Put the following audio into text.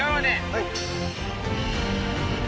はい。